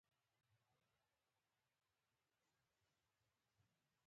په چای کې بوره ډېر خلک اچوي.